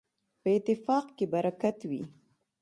په اتفاق کي برکت وي.